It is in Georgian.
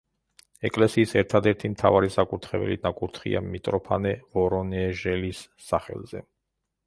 ეკლესიის ერთადერთი მთავარი საკურთხეველი ნაკურთხია მიტროფანე ვორონეჟელის სახელზე.